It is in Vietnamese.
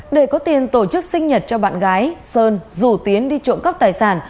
để có tiền tổ chức sinh nhật cho bạn gái sơn rủ tiến đi trộm cắp tài sản